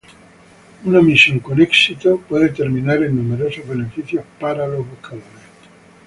Una misión exitosa puede terminar en numerosos beneficios para los buscadores.